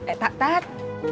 eh tat tat